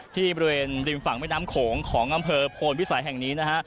ที่บริเวณริมฝั่งแม่น้ำโขงของอำเภอโพนวิสัยแห่งนี้นะฮะ